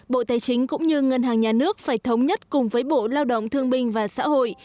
bộ tài chính cũng như ngân hàng nhà nước phải thống nhất cùng với bộ lao động thương binh và xã hội